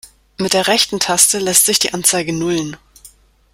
Mit der rechten Taste lässt sich die Anzeige nullen.